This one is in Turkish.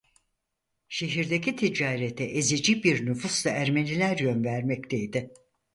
Şehirdeki ticarete ezici bir nüfuzla Ermeniler yön vermekteydi.